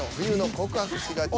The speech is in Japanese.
「告白しがちな」。